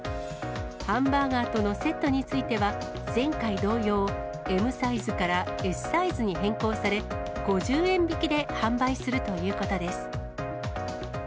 ハンバーガーとのセットについては、前回同様、ＭサイズからＳサイズに変更され、５０円引きで販売するということです。